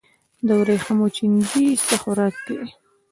د وریښمو چینجی څه خوراک کوي؟